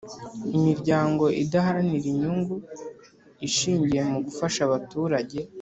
imiryango idaharanira inyungu ishingiye mu gufasha abaturage